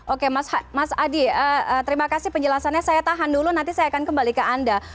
oke mas adi terima kasih penjelasannya saya tahan dulu nanti saya akan kembali ke anda